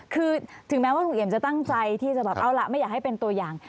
คือถึงแม้ว่าลุงเอี่ยมจะตั้งใจที่จะแบบเอาล่ะไม่อยากให้เป็นตัวอย่าง